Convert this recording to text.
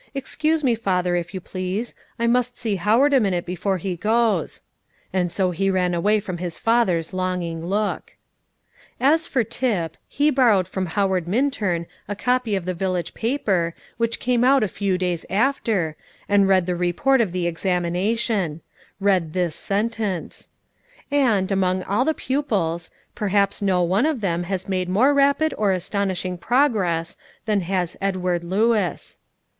"Excuse me, father, if you please; I must see Howard a minute before he goes;" and so he ran away from his father's longing look. As for Tip, he borrowed from Howard Minturn a copy of the village paper, which came out a few days after, and read the report of the examination; read this sentence: "And, among all the pupils, perhaps no one of them has made more rapid or astonishing progress than has Edward Lewis."